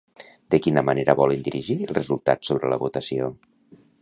De quina manera volen dirigir el resultat sobre la votació?